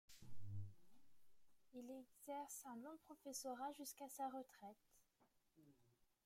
Il y exerce un long professorat jusqu’à sa retraite.